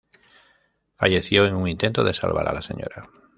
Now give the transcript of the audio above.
Falleció en un intento de salvar a la Sra.